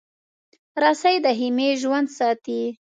رسۍ د خېمې ژوند ساتي.